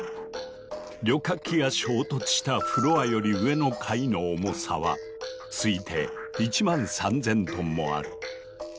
旅客機が衝突したフロアより上の階の重さは推定１万３，０００トンもある。